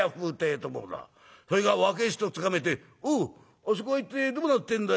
それから若え人つかめえて「おうあそこはいってえどうなってんだい？」